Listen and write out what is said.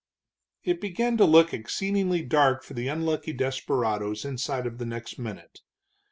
It began to look exceedingly dark for the unlucky desperadoes inside of the next minute.